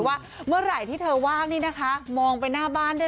ว่าเมื่อไหร่ที่เธอว่างนี่นะคะมองไปหน้าบ้านด้วย